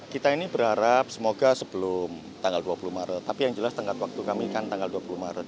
kita ini berharap semoga sebelum tanggal dua puluh maret tapi yang jelas tengah waktu kami kan tanggal dua puluh maret